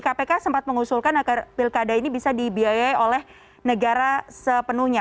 kpk sempat mengusulkan agar pilkada ini bisa dibiayai oleh negara sepenuhnya